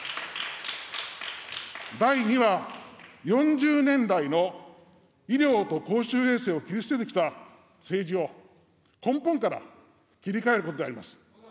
第２は、４０年来の医療と公衆衛生を切り捨ててきた政治を根本から切り替えることであります。